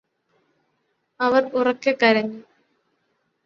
അവര് ഉറക്കെ കരഞ്ഞു